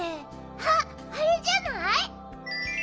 あっあれじゃない？